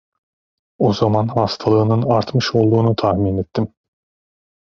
O zaman hastalığının artmış olduğunu tahmin ettim.